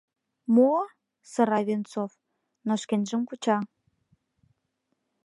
— Мо?! — сыра Венцов, но шкенжым куча.